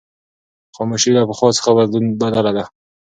خاموشي له پخوا څخه بدله ده.